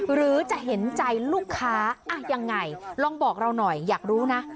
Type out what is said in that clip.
หรือจะเห็นใจลูกค้ายังไงลองบอกเราหน่อยอยากรู้นะ